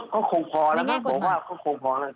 ก็คงพอแล้วนะผมว่าก็คงพอแล้ว